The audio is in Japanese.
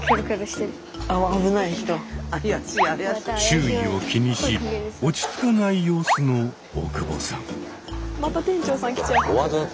周囲を気にし落ち着かない様子の大久保さん。